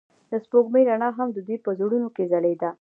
د سپوږمۍ رڼا هم د دوی په زړونو کې ځلېده.